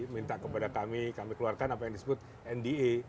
minta kepada kami kami keluarkan apa yang disebut nda